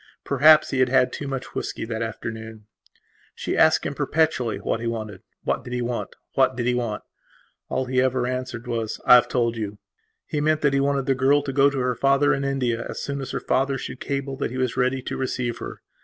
Perhaps he had had too much whisky that afternoon. She asked him perpetually what he wanted. What did he want? What did he want? And all he ever answered was: "I have told you". He meant that he wanted the girl to go to her father in India as soon as her father should cable that he was ready to receive her.